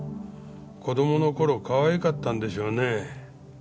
子供の頃かわいかったんでしょうね。